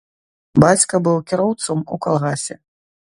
Бацька быў кіроўцам у калгасе.